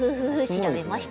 調べました。